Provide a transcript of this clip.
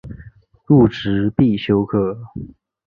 入职必修课